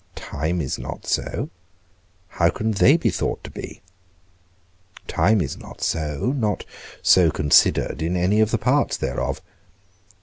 Time is not so; how can they be thought to be? Time is not so; not so considered in any of the parts thereof.